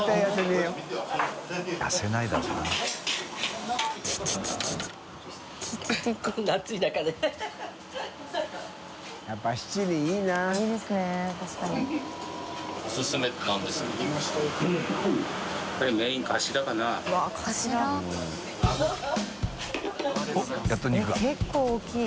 えっ結構大きい。